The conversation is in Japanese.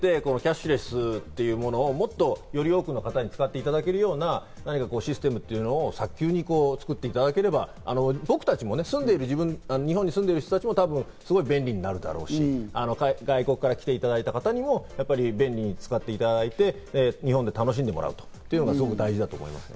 進めていただいて、Ｓｕｉｃａとかありますけど、そういうのも含めてキャッシュレスというものをより多くの方に使っていただけるようなシステムというのを早急に作っていただければ、日本に住んでいる人たちもすごく便利になるだろうし、外国から来ていただいた方にも便利に使っていただいて、日本で楽しんでもらうというのがすごく大事だと思います。